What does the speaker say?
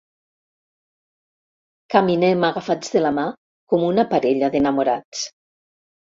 Caminem agafats de la mà com una parella d'enamorats.